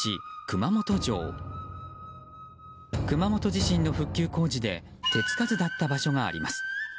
熊本地震の復旧工事で手つかずだった場所があります。